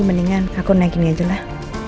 mendingan aku naik gini aja lah